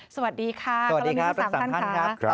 สวัสดีค่ะสวัสดีครับสำหรับสามท่านค่ะ